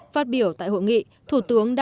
phát biểu tại hội nghị thủ tướng đã